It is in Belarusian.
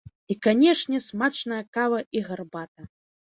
І канешне, смачная кава і гарбата!